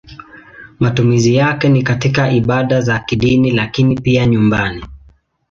Matumizi yake ni katika ibada za kidini lakini pia nyumbani.